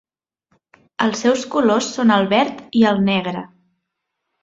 Els seus colors són el verd i el negre.